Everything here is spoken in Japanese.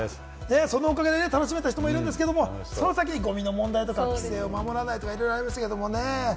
そのおかげで楽しめた人もいるんですけれども、その先にゴミの問題とか規制を守らないとか、いろいろありましたけれどもね。